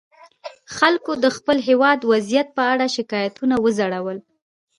خلکو د خپل هېواد وضعیت په اړه شکایتونه وځړول.